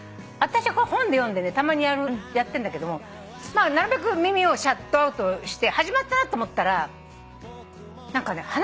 私はこれ本で読んでねたまにやってんだけどもなるべく耳をシャットアウトして始まったなと思ったら何かね